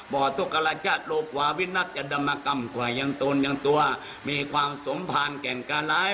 บ่ตุกรรจัดโลกหวาวินัทยะดรรมกรรมกว่ายังต้นยังตัวมีความสมภาณแก่งกาล้าย